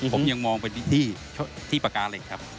ผมยังมองไปที่ปากกาเหล็กครับ